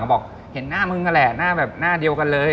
เขาบอกเห็นหน้ามึงกันแหละหน้าเดียวกันเลย